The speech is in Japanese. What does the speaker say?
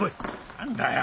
何だよ